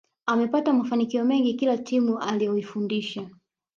Amepata mafanikio mengi kila timu aliyoifundisha